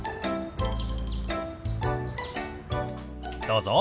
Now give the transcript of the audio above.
どうぞ。